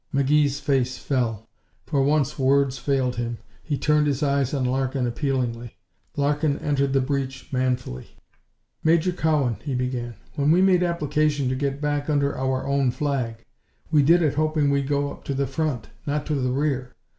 McGee's face fell. For once words failed him. He turned his eyes on Larkin, appealingly. Larkin entered the breach manfully. "Major Cowan," he began, "when we made application to get back under our own flag, we did it hoping we'd go to the front not to the rear.